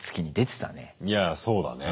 いやそうだね。